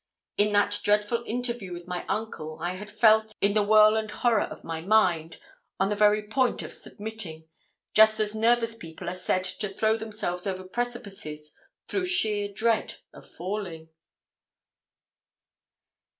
In that dreadful interview with my uncle I had felt, in the whirl and horror of my mind, on the very point of submitting, just as nervous people are said to throw themselves over precipices through sheer dread of falling.